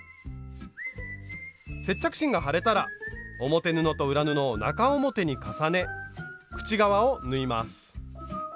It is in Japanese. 接着芯が貼れたら表布と裏布を中表に重ね口側を縫います。